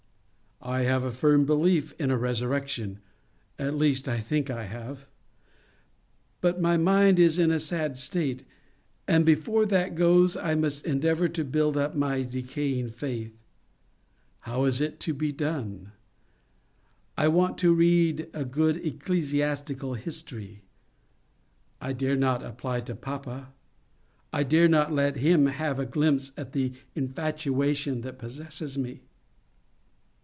I have a firm belief in a resurrection, — at least I think I have, — but my mind is in a sad state ; and before that goes, I must endeavour to build up my decaying faith. How is it to be done? I want to read a good ecclesiastical history. I dare not apply to papa. I dare not let him have a glimpse at the infatuation that possesses me.